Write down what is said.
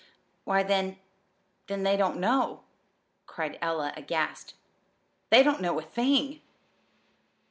"Why, then then they don't know," cried Ella, aghast. "They don't know a thing!"